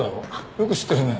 よく知ってるね。